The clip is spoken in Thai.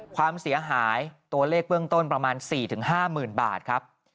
ความเสียหายตัวเลขเบื้องต้นประมาณ๔๕๐๐๐บาทครับ